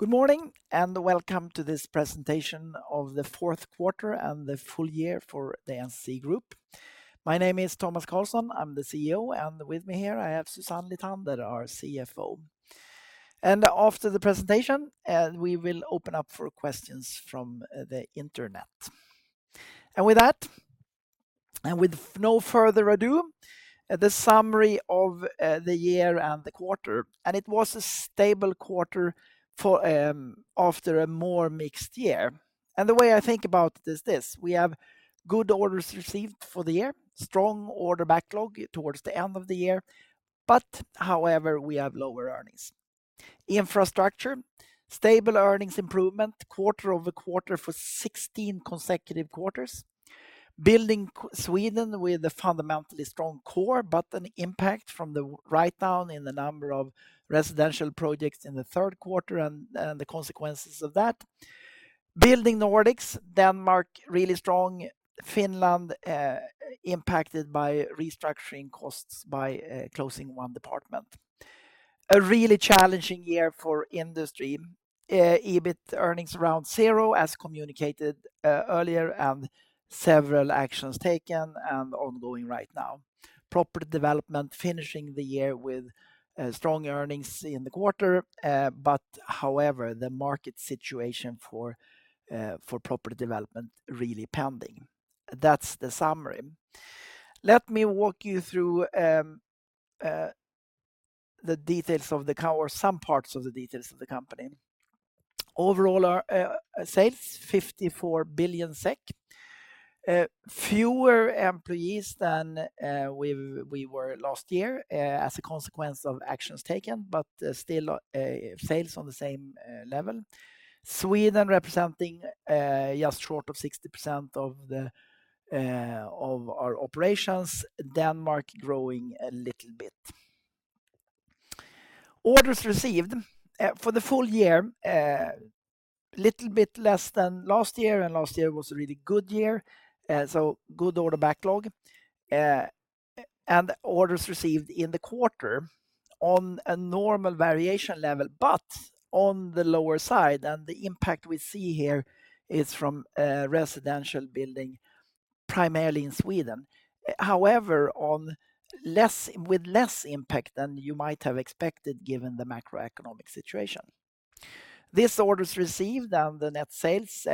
Good morning, welcome to this presentation of the fourth quarter and the full year for the NCC Group. My name is Tomas Carlsson. I'm the CEO, and with me here I have Susanne Lithander, that our CFO. After the presentation, we will open up for questions from the internet. With that, and with no further ado, the summary of the year and the quarter. It was a stable quarter for after a more mixed year. The way I think about it is this. We have good orders received for the year, strong order backlog towards the end of the year, but however, we have lower earnings. NCC Infrastructure, stable earnings improvement quarter-over-quarter for 16 consecutive quarters. Building Sweden with a fundamentally strong core, an impact from the write-down in the number of residential projects in the third quarter and the consequences of that. Building Nordics, Denmark really strong. Finland impacted by restructuring costs by closing one department. A really challenging year for industry. EBIT earnings around 0, as communicated earlier, several actions taken and ongoing right now. Property Development finishing the year with strong earnings in the quarter. However, the market situation for Property Development really pending. That's the summary. Let me walk you through the details of or some parts of the details of the company. Overall, our sales 54 billion SEK. Fewer employees than we were last year, as a consequence of actions taken, still sales on the same level. Sweden representing just short of 60% of the of our operations. Denmark growing a little bit. Orders received for the full year, little bit less than last year, and last year was a really good year, so good order backlog. Orders received in the quarter on a normal variation level, but on the lower side, and the impact we see here is from residential building, primarily in Sweden. However, on less, with less impact than you might have expected given the macroeconomic situation. These orders received and the net sales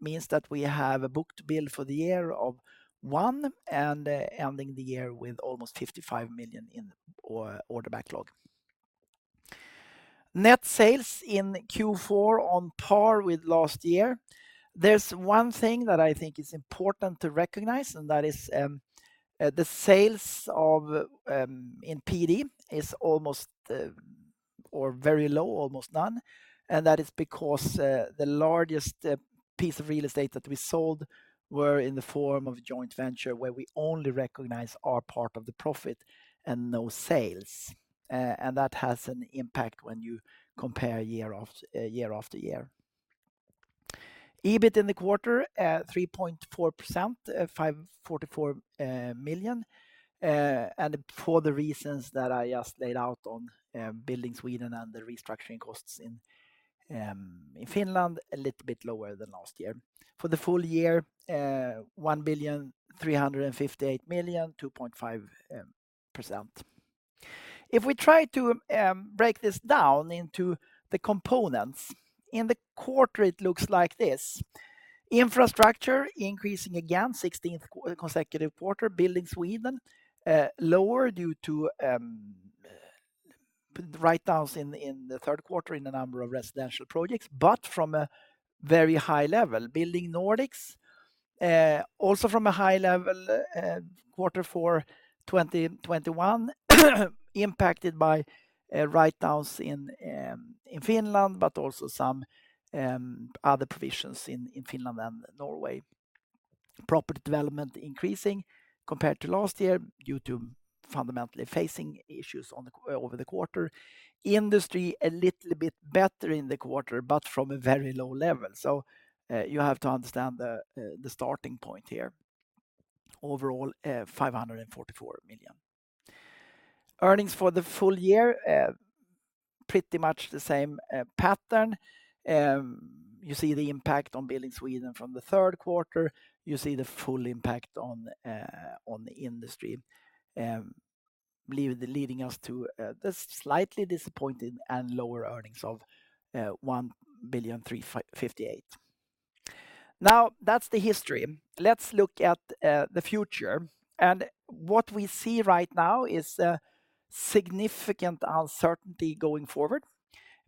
means that we have a book-to-bill for the year of 1 and ending the year with almost 55 million in order backlog. Net sales in Q4 on par with last year. There's one thing that I think is important to recognize, and that is the sales of in PD is almost or very low, almost none. That is because the largest piece of real estate that we sold were in the form of joint venture where we only recognize our part of the profit and no sales. That has an impact when you compare year of year after year. EBIT in the quarter 3.4% 544 million. For the reasons that I just laid out on Building Sweden and the restructuring costs in Finland, a little bit lower than last year. For the full year, 1.358 billion, 2.5%. If we try to break this down into the components, in the quarter it looks like this. Infrastructure increasing again, 16th consecutive quarter. Building Sweden lower due to write-downs in the third quarter in a number of residential projects, but from a very high level. Building Nordics also from a high level quarter for 2021, impacted by write-downs in Finland, but also some other provisions in Finland and Norway. Property Development increasing compared to last year due to fundamentally facing issues over the quarter. Industry a little bit better in the quarter but from a very low level. You have to understand the starting point here. Overall, 544 million. Earnings for the full year, pretty much the same pattern. You see the impact on Building Sweden from the third quarter. You see the full impact on the industry, leading us to the slightly disappointing and lower earnings of 1,358 million. Now, that's the history. Let's look at the future. What we see right now is a significant uncertainty going forward.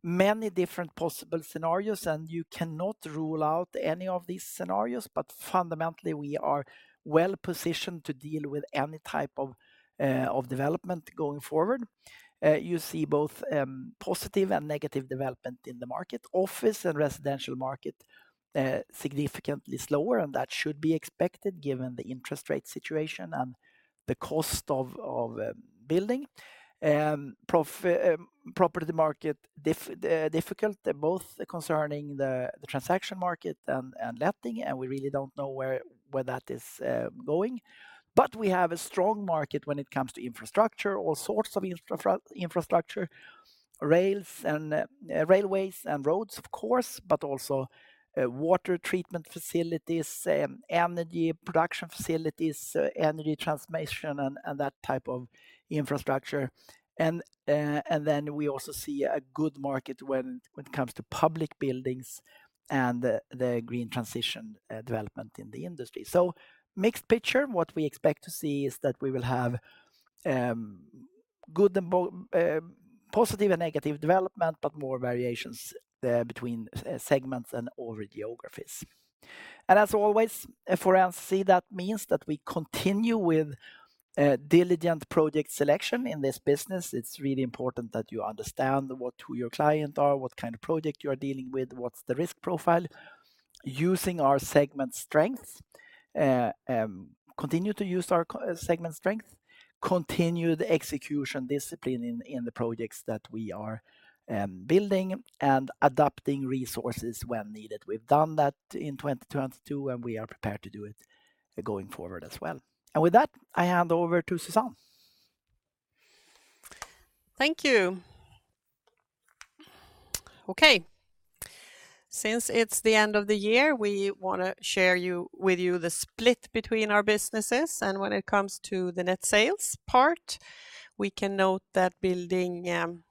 Many different possible scenarios, and you cannot rule out any of these scenarios, but fundamentally, we are well-positioned to deal with any type of development going forward. You see both positive and negative development in the market. Office and residential market significantly slower, and that should be expected given the interest rate situation and the cost of building. Property market difficult, both concerning the transaction market and letting, and we really don't know where that is going. We have a strong market when it comes to infrastructure, all sorts of infrastructure. Rails and railways and roads, of course, but also water treatment facilities, energy production facilities, energy transmission and that type of infrastructure. Then we also see a good market when it comes to public buildings and the green transition development in the industry. Mixed picture. What we expect to see is that we will have, good and positive and negative development, but more variations, between segments and over geographies. As always, for NCC that means that we continue with diligent project selection. In this business, it's really important that you understand what, who your client are, what kind of project you're dealing with, what's the risk profile. Using our segment strengths, continue to use our segment strength, continue the execution discipline in the projects that we are building, and adapting resources when needed. We've done that in 2022, and we are prepared to do it going forward as well. With that, I hand over to Susanne. Thank you. Okay. Since it's the end of the year, we want to share with you the split between our businesses. When it comes to the net sales part, we can note that Building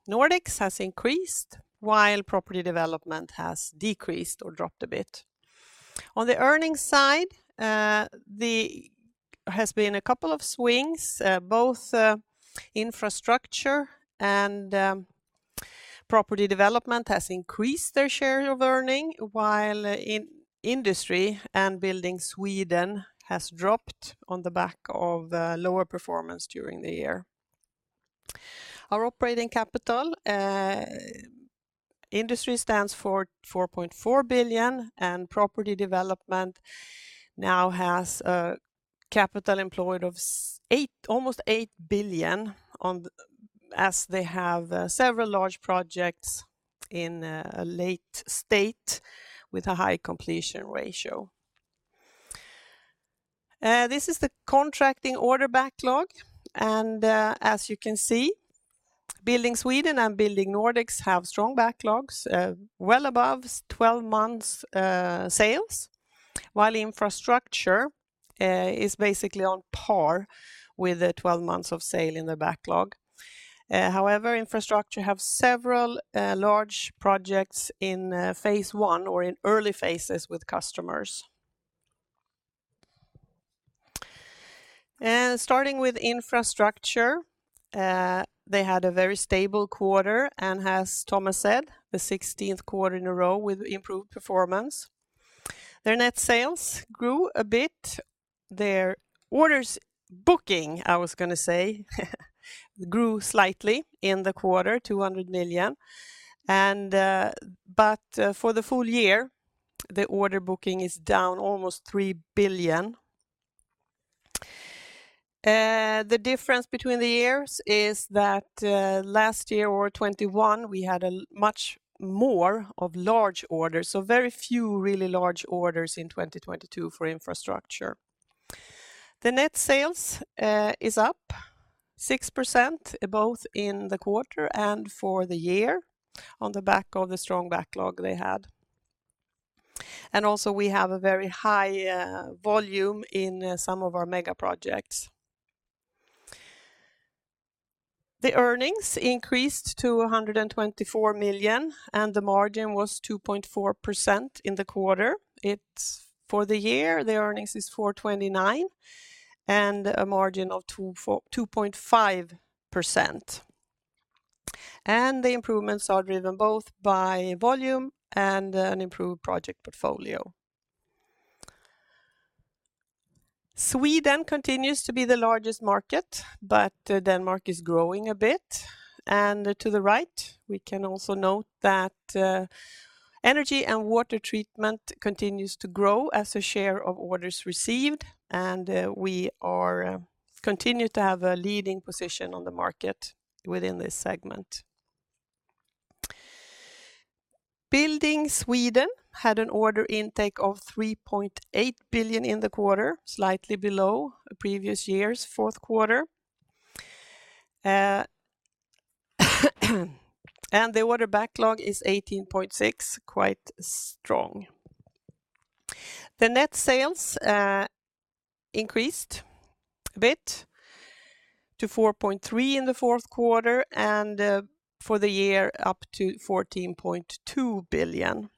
Nordics has increased while Property Development has decreased or dropped a bit. On the earnings side, there has been a couple of swings, both Infrastructure and Property Development has increased their share of earning, while Industry and Building Sweden has dropped on the back of lower performance during the year. Our operating capital, Industry stands for 4.4 billion, and Property Development now has capital employed of almost 8 billion as they have several large projects in a late state with a high completion ratio. This is the contracting order backlog. As you can see, NCC Building Sweden and NCC Building Nordics have strong backlogs, well above 12 months sales, while NCC Infrastructure is basically on par with the 12 months of sale in the backlog. However, NCC Infrastructure have several large projects in phase one or in early phases with customers. Starting with NCC Infrastructure, they had a very stable quarter, and as Tomas said, the 16th quarter in a row with improved performance. Their net sales grew a bit. Their orders, booking grew slightly in the quarter, 200 million. But, for the full year, the order booking is down almost 3 billion. The difference between the years is that last year or 2021, we had a much more of large orders, so very few really large orders in 2022 for NCC Infrastructure. The net sales is up 6% both in the quarter and for the year on the back of the strong backlog they had. Also we have a very high volume in some of our mega projects. The earnings increased to 124 million, and the margin was 2.4% in the quarter. It's, for the year, their earnings is 429 million and a margin of 2.5%. The improvements are driven both by volume and an improved project portfolio. Sweden continues to be the largest market, but Denmark is growing a bit. To the right, we can also note that energy and water treatment continues to grow as a share of orders received, and we are continue to have a leading position on the market within this segment. Building Sweden had an order intake of 3.8 billion in the quarter, slightly below the previous year's fourth quarter. The order backlog is 18.6 billion, quite strong. The net sales increased a bit to 4.3 billion in the fourth quarter, for the year, up to 14.2 billion.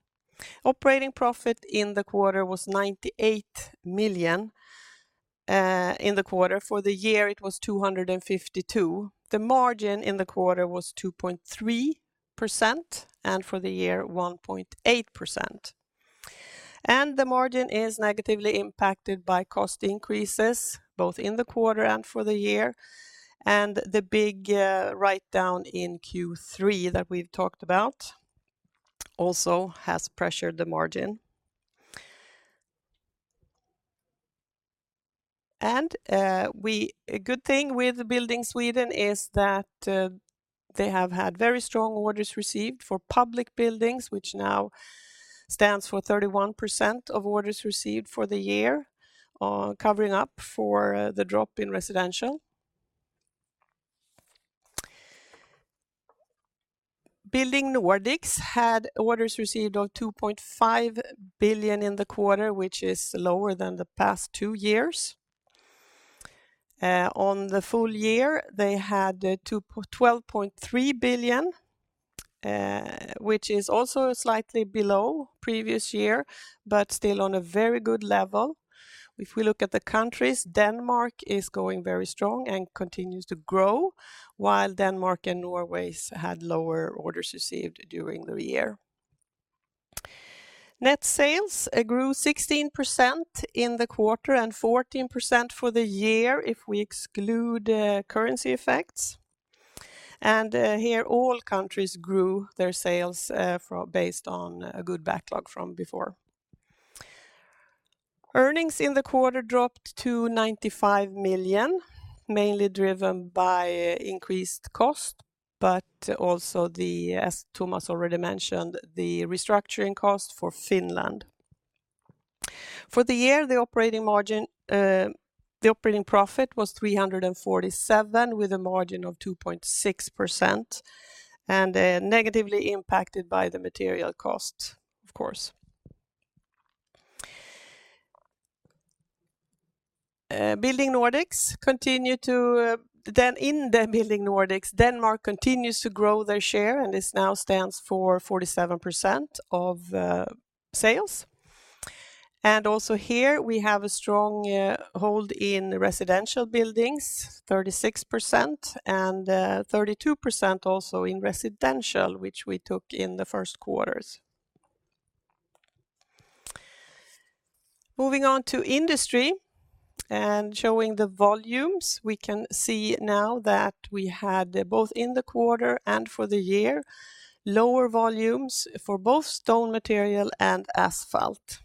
Operating profit in the quarter was 98 million in the quarter. For the year, it was 252 million. The margin in the quarter was 2.3%, for the year, 1.8%. The margin is negatively impacted by cost increases both in the quarter and for the year. The big write-down in Q3 that we've talked about also has pressured the margin. A good thing with Building Sweden is that they have had very strong orders received for public buildings, which now stands for 31% of orders received for the year, covering up for the drop in residential. Building Nordics had orders received of 2.5 billion in the quarter, which is lower than the past two years. On the full year, they had 12.3 billion, which is also slightly below previous year, but still on a very good level. If we look at the countries, Denmark is going very strong and continues to grow, while Denmark and Norway had lower orders received during the year. Net sales grew 16% in the quarter and 14% for the year if we exclude currency effects. Here all countries grew their sales, based on a good backlog from before. Earnings in the quarter dropped to 95 million, mainly driven by increased cost. Also the, as Tomas already mentioned, the restructuring cost for Finland. For the year, the operating profit was 347 with a margin of 2.6%. Negatively impacted by the material cost, of course. In the NCC Building Nordics, Denmark continues to grow their share, and this now stands for 47% of sales. Also here, we have a strong hold in residential buildings, 36%, and 32% also in residential, which we took in the first quarters. Moving on to industry and showing the volumes, we can see now that we had, both in the quarter and for the year, lower volumes for both stone material and asphalt.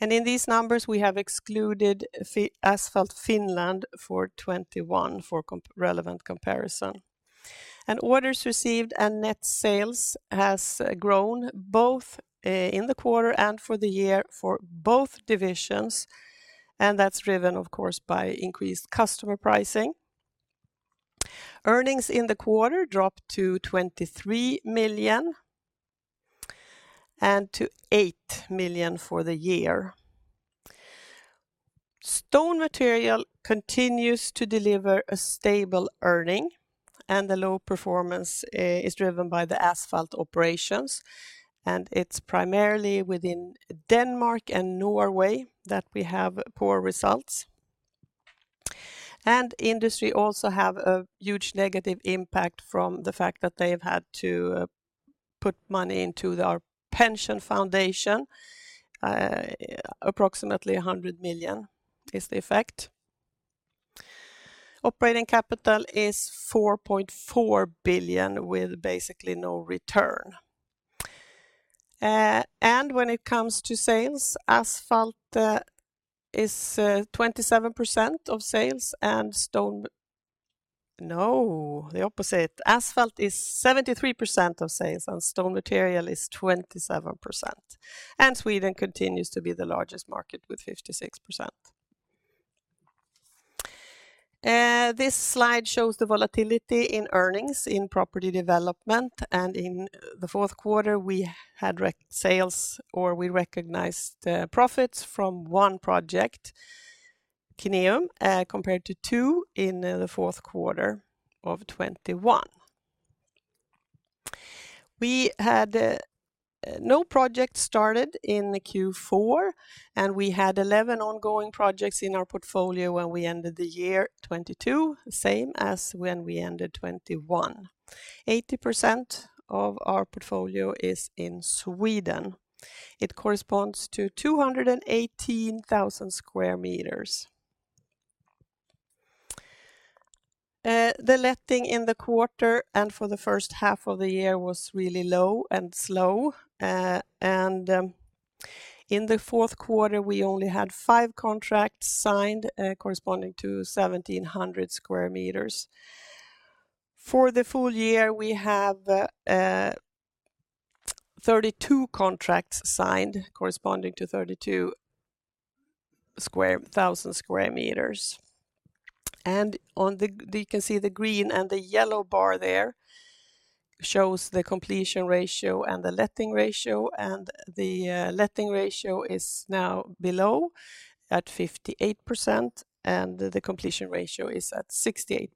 In these numbers, we have excluded Asphalt Finland for 2021 for relevant comparison. Orders received and net sales has grown both in the quarter and for the year for both divisions, and that's driven, of course, by increased customer pricing. Earnings in the quarter dropped to 23 million and to 8 million for the year. Stone material continues to deliver a stable earning, and the low performance is driven by the asphalt operations, and it's primarily within Denmark and Norway that we have poor results. Industry also have a huge negative impact from the fact that they've had to put money into their pension foundation. Approximately 100 million is the effect. Operating capital is 4.4 billion with basically no return. And when it comes to sales, Asphalt is 27% of sales and stone... No, the opposite. Asphalt is 73% of sales, stone material is 27%. Sweden continues to be the largest market with 56%. This slide shows the volatility in earnings in property development, and in the fourth quarter, we had sales, or we recognized profits from one project, Kineum, compared to two in the fourth quarter of 2021. We had no project started in the Q4, and we had 11 ongoing projects in our portfolio when we ended the year 2022, same as when we ended 2021. 80% of our portfolio is in Sweden. It corresponds to 218,000 square meters. The letting in the quarter and for the first half of the year was really low and slow. In the fourth quarter, we only had five contracts signed, corresponding to 1,700 square meters. For the full year, we have 32 contracts signed corresponding to 32,000 square meters. On the you can see the green and the yellow bar there shows the completion ratio and the letting ratio, and the letting ratio is now below at 58%, and the completion ratio is at 68%.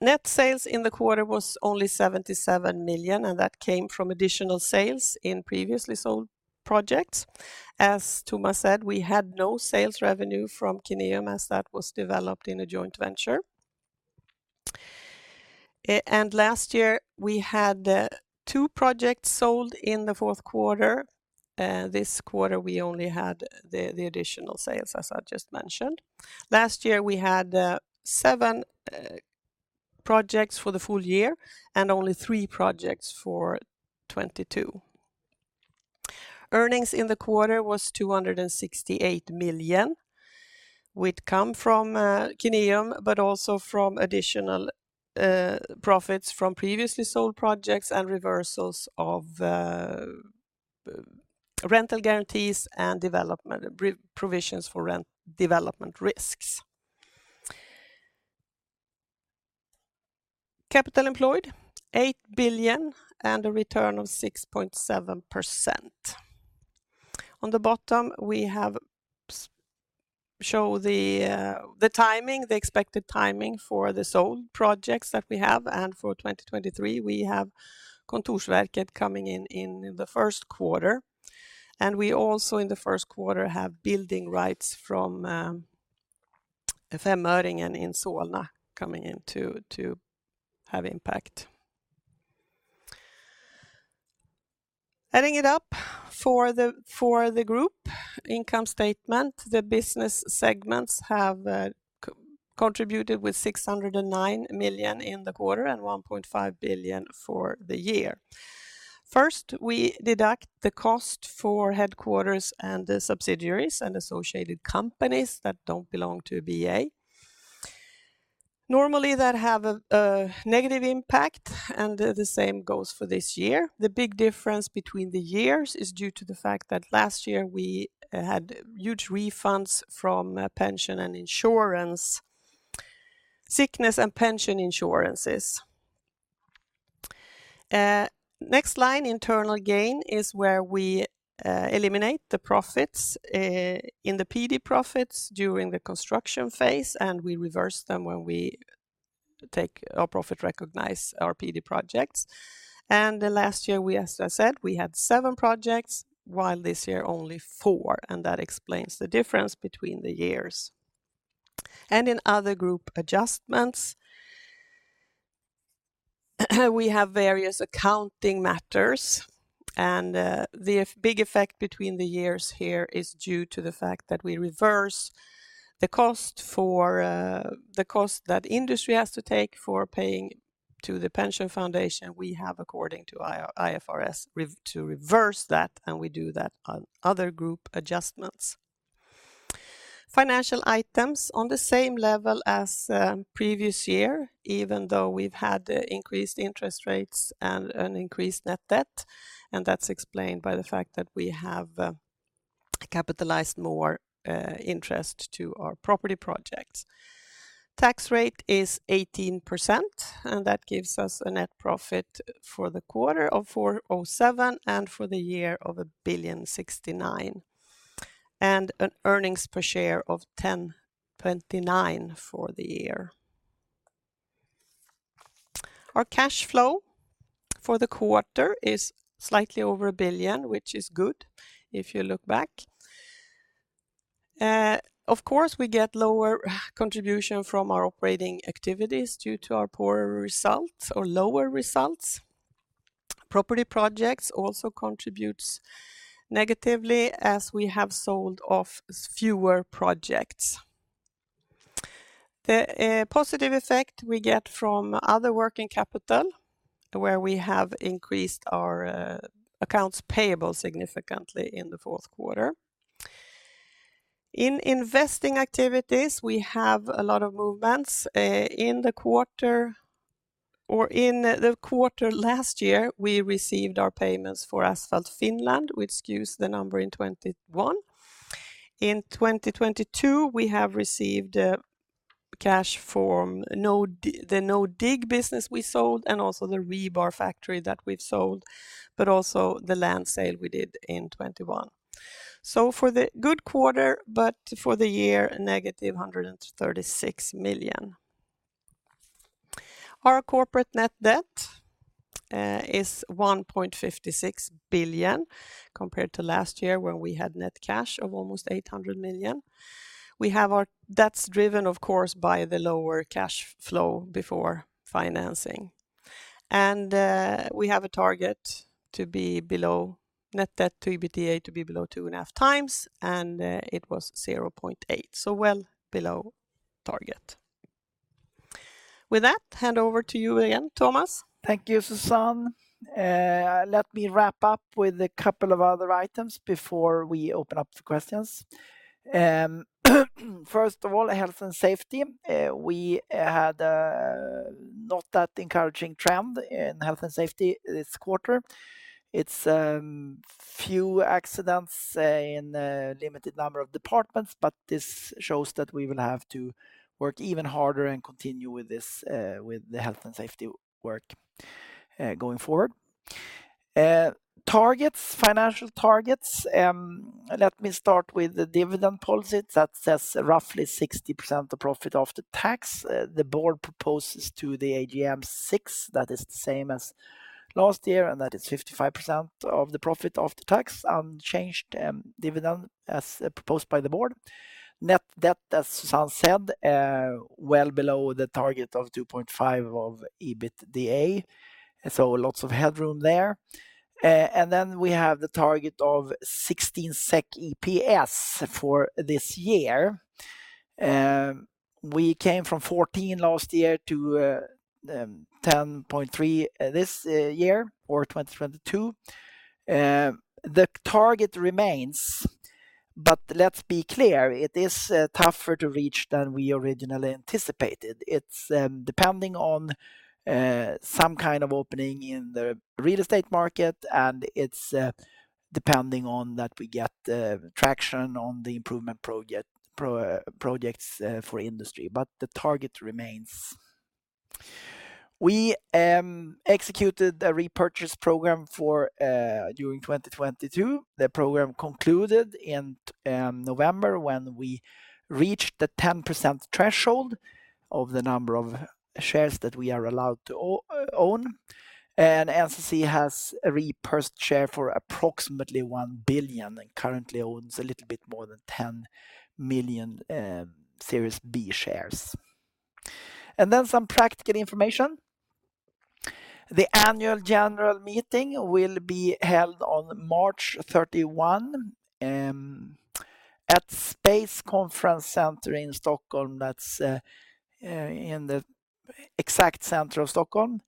Net sales in the quarter was only 77 million, that came from additional sales in previously sold projects. As Tomas said, we had no sales revenue from Kineum as that was developed in a joint venture. Last year, we had 2 projects sold in the fourth quarter. This quarter, we only had the additional sales, as I just mentioned. Last year, we had 7 Projects for the full year, only 3 projects for 2022. Earnings in the quarter was 268 million, which come from Kineum, but also from additional profits from previously sold projects and reversals of rental guarantees and development re-provisions for rent development risks. Capital employed, 8 billion and a return of 6.7%. On the bottom, we have show the timing, the expected timing for the sold projects that we have. For 2023, we have Kontorsverket coming in in the first quarter, and we also in the first quarter have building rights from Femöringen in Solna coming in to have impact. Adding it up for the group income statement, the business segments have contributed with 609 million in the quarter and 1.5 billion for the year. First, we deduct the cost for headquarters and the subsidiaries and associated companies that don't belong to BA. Normally, that have a negative impact, the same goes for this year. The big difference between the years is due to the fact that last year we had huge refunds from pension and insurance, sickness and pension insurances. Next line, internal gain, is where we eliminate the profits in the PD profits during the construction phase, and we reverse them when we take our profit, recognize our PD projects. The last year, we, as I said, we had 7 projects, while this year only 4, that explains the difference between the years. In other group adjustments, we have various accounting matters, and the big effect between the years here is due to the fact that we reverse the cost for the cost that industry has to take for paying to the pension foundation. We have, according to IFRS, to reverse that, and we do that on other group adjustments. Financial items, on the same level as previous year, even though we've had increased interest rates and an increased net debt, and that's explained by the fact that we have capitalized more interest to our property projects. Tax rate is 18%, and that gives us a net profit for the quarter of 407 million and for the year of 1,069 million, and an earnings per share of 10.9 for the year. Our cash flow for the quarter is slightly over 1 billion, which is good if you look back. Of course, we get lower contribution from our operating activities due to our poorer results or lower results. Property projects also contributes negatively as we have sold off fewer projects. The positive effect we get from other working capital, where we have increased our accounts payable significantly in the fourth quarter. In investing activities, we have a lot of movements in the quarter or in the quarter last year, we received our payments for Asphalt Finland, which skews the number in 2021. In 2022, we have received cash from NoDig, the NoDig business we sold and also the rebar factory that we've sold, but also the land sale we did in 2021. For the good quarter, for the year, a negative 136 million. Our corporate net debt is 1.56 billion, compared to last year when we had net cash of almost 800 million. That's driven, of course, by the lower cash flow before financing. We have a target to be below net debt to EBITDA to be below 2.5 times, it was 0.8, well below target. With that, hand over to you again, Tomas. Thank you, Susanne. Let me wrap up with a couple of other items before we open up to questions. First of all, health and safety. We had not that encouraging trend in health and safety this quarter. It's few accidents in a limited number of departments, but this shows that we will have to work even harder and continue with this with the health and safety work going forward. Targets, financial targets. Let me start with the dividend policy that says roughly 60% the profit of the tax. The board proposes to the AGM 6, that is the same as last year, and that is 55% of the profit of the tax. Unchanged dividend as proposed by the board. Net debt, as Susanne said, well below the target of 2.5 of EBITDA. Lots of headroom there. Then we have the target of 16.00 SEK EPS for this year. We came from 14 last year to 10.3 this year or 2022. The target remains, let's be clear, it is tougher to reach than we originally anticipated. It's depending on some kind of opening in the real estate market, and it's depending on that we get traction on the improvement projects for industry, but the target remains. We executed a repurchase program for during 2022. The program concluded in November when we reached the 10% threshold of the number of shares that we are allowed to own. NCC has repurchased share for approximately 1 billion and currently owns a little bit more than 10 million Series B shares. Some practical information. The Annual General Meeting will be held on March 31 at Space Conference Center in Stockholm. That's in the exact center of Stockholm.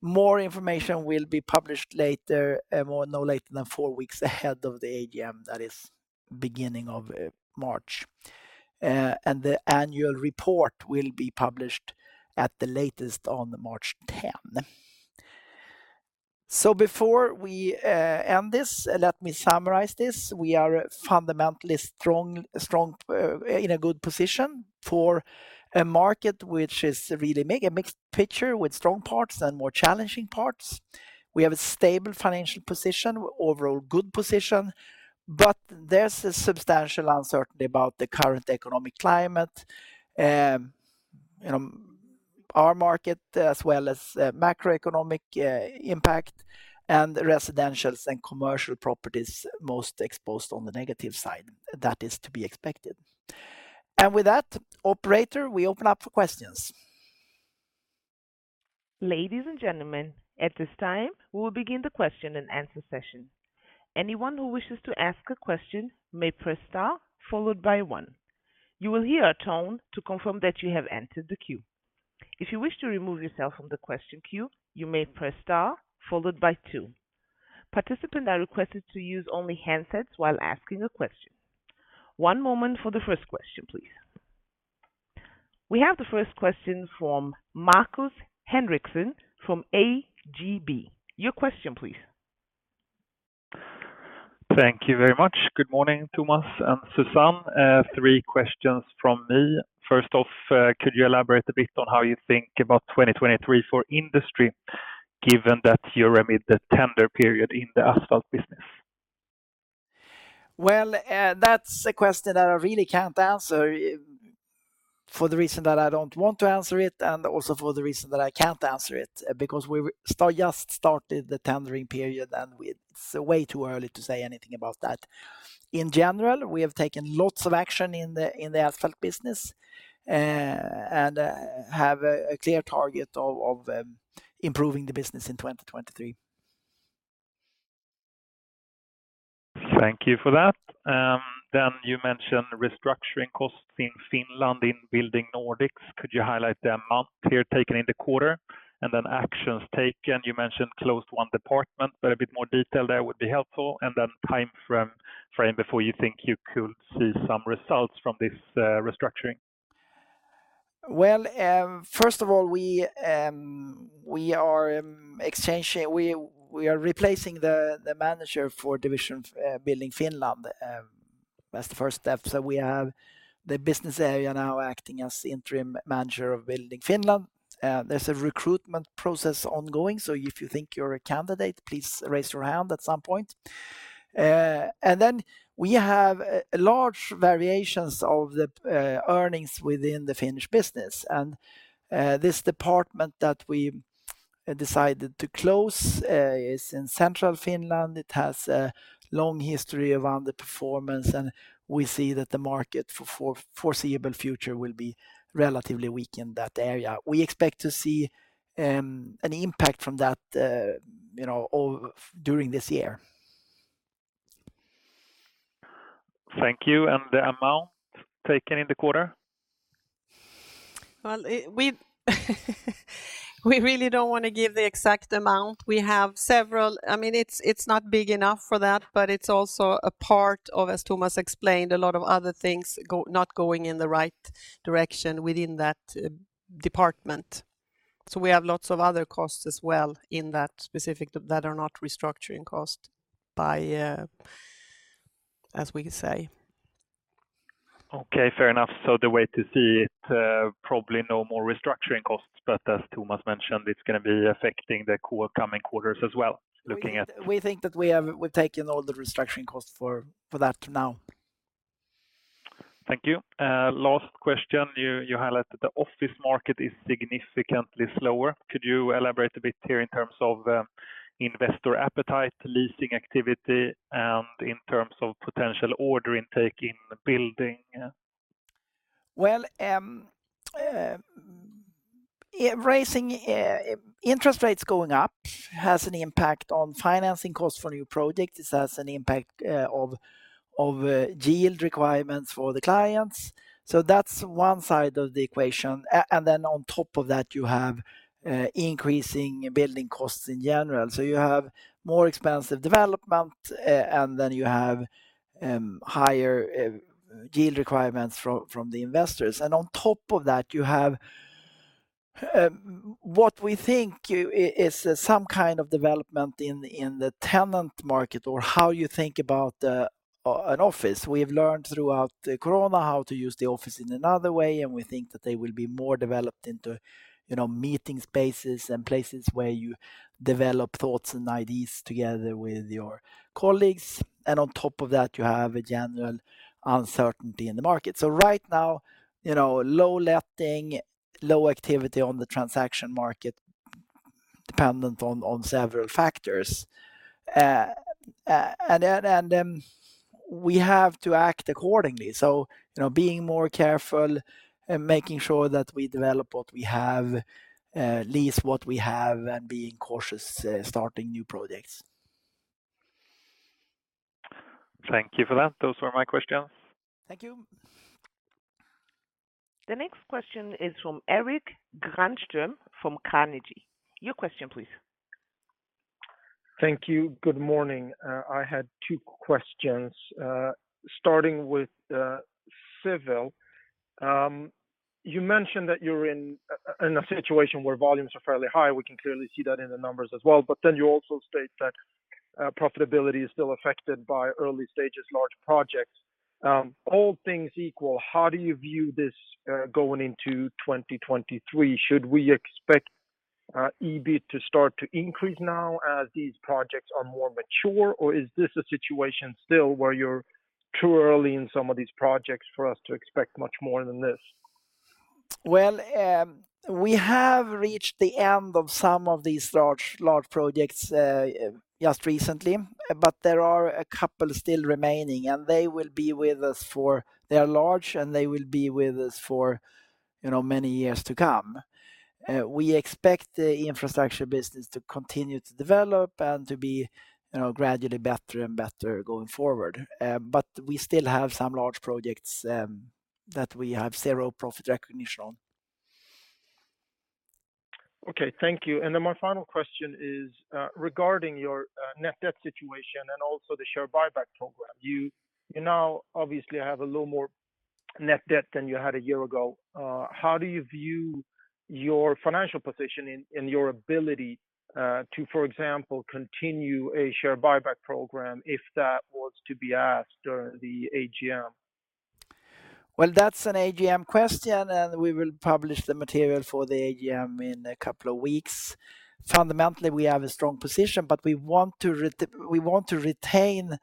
More information will be published later, no later than 4 weeks ahead of the AGM, that is beginning of March. The Annual Report will be published at the latest on March 10. Before we end this, let me summarize this. We are fundamentally strong in a good position for a market which is really a mixed picture with strong parts and more challenging parts. We have a stable financial position, overall good position, but there's a substantial uncertainty about the current economic climate. you know, our market as well as macroeconomic impact and residentials and commercial properties most exposed on the negative side. That is to be expected. With that, operator, we open up for questions. Ladies and gentlemen, at this time, we will begin the question and answer session. Anyone who wishes to ask a question may press star followed by one. You will hear a tone to confirm that you have entered the queue. If you wish to remove yourself from the question queue, you may press star followed by two. Participants are requested to use only handsets while asking a question. One moment for the first question, please. We have the first question from Markus Henriksson from ABG. Your question, please. Thank you very much. Good morning, Tomas and Susanne. Three questions from me. First off, could you elaborate a bit on how you think about 2023 for industry, given that you remit the tender period in the asphalt business? Well, that's a question that I really can't answer for the reason that I don't want to answer it and also for the reason that I can't answer it, because we just started the tendering period, and it's way too early to say anything about that. In general, we have taken lots of action in the asphalt business, and have a clear target of improving the business in 2023. Thank you for that. You mentioned restructuring costs in Finland in Building Nordics. Could you highlight the amount here taken in the quarter? Actions taken, you mentioned closed one department, but a bit more detail there would be helpful. Timeframe, frame before you think you could see some results from this restructuring. First of all, we are replacing the manager for division Building Finland. That's the first step. We have the business area now acting as interim manager of Building Finland. There's a recruitment process ongoing. If you think you're a candidate, please raise your hand at some point. We have large variations of the earnings within the Finnish business. This department that we decided to close is in central Finland. It has a long history around the performance. We see that the market for foreseeable future will be relatively weak in that area. We expect to see an impact from that, you know, all during this year. Thank you. The amount taken in the quarter? Well, we really don't wanna give the exact amount. We have several. I mean, it's not big enough for that, but it's also a part of, as Tomas explained, a lot of other things not going in the right direction within that department. We have lots of other costs as well in that specific that are not restructuring cost by as we say. Okay, fair enough. The way to see it, probably no more restructuring costs, but as Tomas mentioned, it's gonna be affecting the coming quarters as well, looking at... We think that we've taken all the restructuring costs for that now. Thank you. Last question. You highlighted the office market is significantly slower. Could you elaborate a bit here in terms of, investor appetite, leasing activity, and in terms of potential order intake in building? Well, Yeah, raising interest rates going up has an impact on financing costs for new projects. This has an impact of yield requirements for the clients. That's one side of the equation. Then on top of that, you have increasing building costs in general. You have more expensive development, and then you have higher yield requirements from the investors. On top of that, you have what we think is some kind of development in the tenant market or how you think about an office. We've learned throughout the Corona how to use the office in another way, and we think that they will be more developed into, you know, meeting spaces and places where you develop thoughts and ideas together with your colleagues. On top of that, you have a general uncertainty in the market. Right now, you know, low letting, low activity on the transaction market dependent on several factors. We have to act accordingly. You know, being more careful and making sure that we develop what we have, lease what we have and being cautious, starting new projects. Thank you for that. Those were my questions. Thank you. The next question is from Erik Granström from Carnegie. Your question, please. Thank you. Good morning. I had two questions, starting with . You mentioned that you're in a situation where volumes are fairly high. We can clearly see that in the numbers as well. You also state that profitability is still affected by early stages large projects. All things equal, how do you view this going into 2023? Should we expect EBIT to start to increase now as these projects are more mature? Is this a situation still where you're too early in some of these projects for us to expect much more than this? Well, we have reached the end of some of these large projects, just recently, but there are a couple still remaining, and they will be with us for. They are large, and they will be with us for, you know, many years to come. We expect the infrastructure business to continue to develop and to be, you know, gradually better and better going forward. We still have some large projects that we have zero profit recognition on. Okay, thank you. My final question is regarding your net debt situation and also the share buyback program. You now obviously have a little more net debt than you had a year ago. How do you view your financial position in your ability to, for example, continue a share buyback program if that was to be asked during the AGM? That's an AGM question. We will publish the material for the AGM in a couple of weeks. Fundamentally, we have a strong position. We want to retain,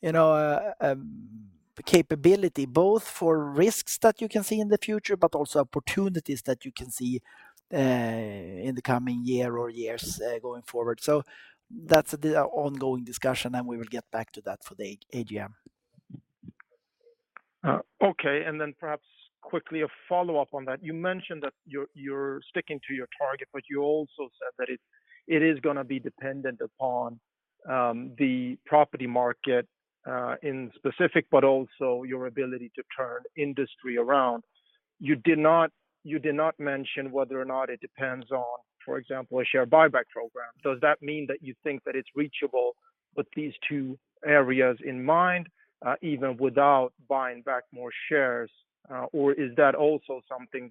you know, capability both for risks that you can see in the future, but also opportunities that you can see in the coming year or years going forward. That's the ongoing discussion. We will get back to that for the AGM. Okay. Then perhaps quickly a follow-up on that. You mentioned that you're sticking to your target, but you also said that it is gonna be dependent upon the property market in specific, but also your ability to turn industry around. You did not mention whether or not it depends on, for example, a share buyback program. Does that mean that you think that it's reachable with these two areas in mind, even without buying back more shares? Or is that also something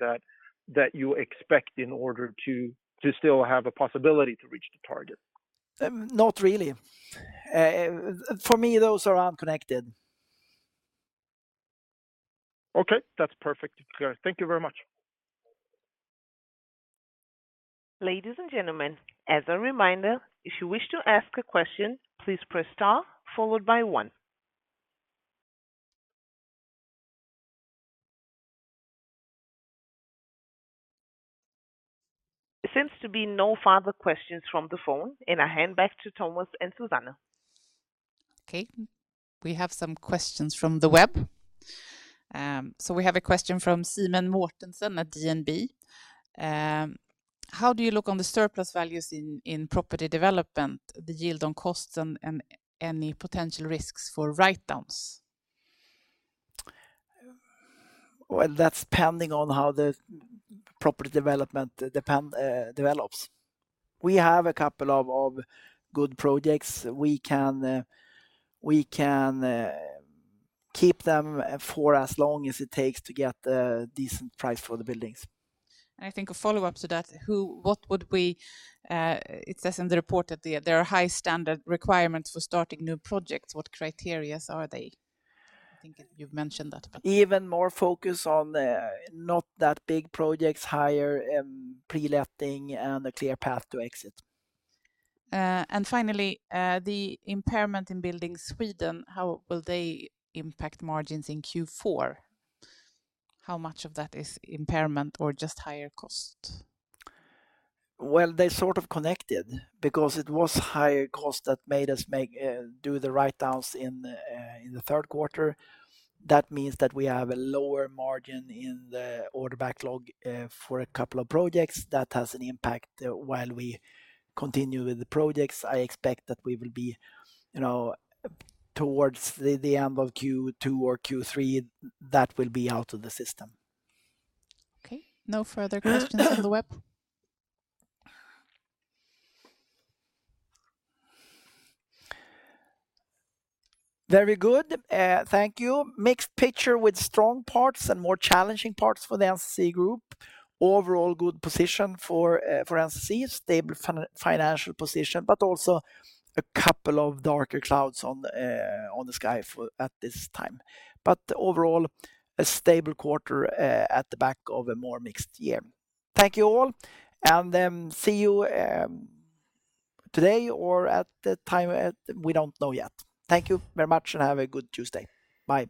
that you expect in order to still have a possibility to reach the target? Not really. For me, those are unconnected. Okay, that's perfectly clear. Thank you very much. Ladies and gentlemen, as a reminder, if you wish to ask a question, please press star followed by one. There seems to be no further questions from the phone, and I hand back to Tomas and Susanne. Okay. We have some questions from the web. We have a question from Simen Mortensen at DNB. How do you look on the surplus values in property development, the yield on cost and any potential risks for write-downs? That's pending on how the property development develops. We have a couple of good projects. We can keep them for as long as it takes to get a decent price for the buildings. I think a follow-up to that, what would we, it says in the report that there are high standard requirements for starting new projects. What criteria are they? I think you've mentioned that, but... Even more focus on the not that big projects, higher, pre-letting and a clear path to exit. Finally, the impairment in Building Sweden, how will they impact margins in Q4? How much of that is impairment or just higher cost? They sort of connected because it was higher cost that made us make do the write-downs in the third quarter. That means that we have a lower margin in the order backlog for a couple of projects. That has an impact while we continue with the projects. I expect that we will be, you know, towards the end of Q2 or Q3, that will be out of the system. Okay. No further questions from the web. Very good. Thank you. Mixed picture with strong parts and more challenging parts for the NCC Group. Overall good position for NCC, stable financial position, but also a couple of darker clouds on the sky for at this time. Overall, a stable quarter at the back of a more mixed year. Thank you all, and see you today or at the time, we don't know yet. Thank you very much and have a good Tuesday. Bye.